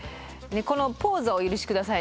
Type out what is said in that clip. このポーズはお許し下さいね。